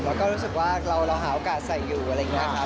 แล้วก็รู้สึกว่าเราหาโอกาสใส่อยู่อะไรอย่างนี้ครับ